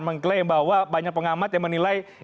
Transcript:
mengklaim bahwa banyak pengamat yang menilai